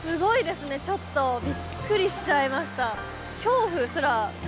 ちょっとびっくりしちゃいました。